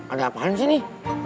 ada apaan sih nih